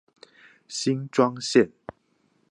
新莊線